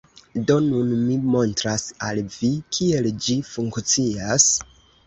Do, nun mi montras al vi kiel ĝi funkcias